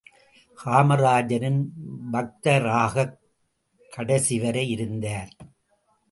காமராஜரின் பக்தராகக் கடைசி வரை இருந்தார்.